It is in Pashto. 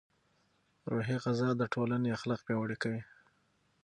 روحي غذا د ټولنې اخلاق پیاوړي کوي.